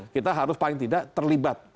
kita harus paling tidak terlibat